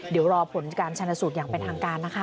เดี๋ยวรอผลการชนสูตรอย่างเป็นทางการนะคะ